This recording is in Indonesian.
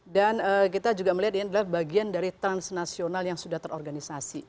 dan kita juga melihat bagian dari transnasional yang sudah terorganisasi